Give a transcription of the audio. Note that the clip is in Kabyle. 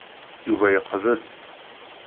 Yuba iqbel.